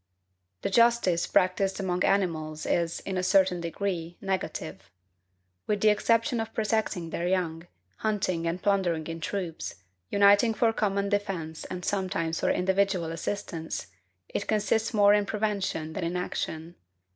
The justice practised among animals is, in a certain degree, negative. With the exception of protecting their young, hunting and plundering in troops, uniting for common defence and sometimes for individual assistance, it consists more in prevention than in action.